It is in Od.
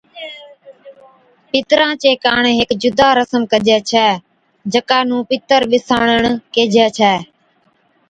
پِترا چي ڪاڻ ھيڪ جُدا رسم ڪجَي ڇَي، ’جڪا نُون پِتر ٻِساڻڻ (بيساڻڻ) ڪيھجَي ڇَي‘